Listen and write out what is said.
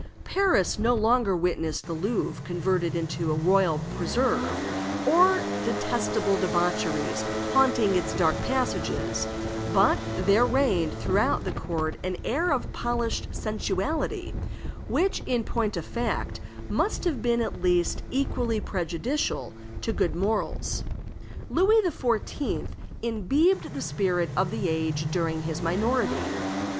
Paris no longer witnessed the Louvre converted into a royal preserve, or detestable debauchees haunting its dark passages; but there reigned throughout the court an air of polished sensuality, which, in point of fact, must have been at least equally prejudicial to good morals. Louis XIV. imbibed the spirit of the age during his minority.